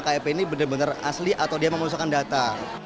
kip ini benar benar asli atau dia memasukkan data